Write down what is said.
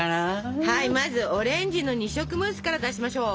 まずオレンジの二色ムースから出しましょう。